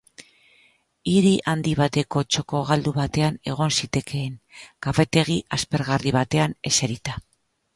Hiri handi bateko txoko galdu batean egon zitekeen, kafetegi aspergarri batean eserita.